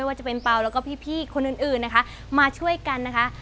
ว่าจะเป็นเปล่าแล้วก็พี่คนอื่นนะคะมาช่วยกันนะคะ